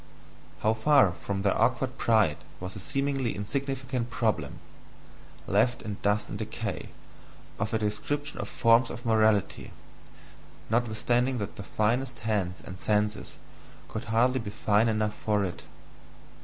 How far from their awkward pride was the seemingly insignificant problem left in dust and decay of a description of forms of morality, notwithstanding that the finest hands and senses could hardly be fine enough for it!